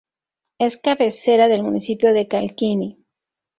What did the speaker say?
Es cabecera del municipio de Calkiní.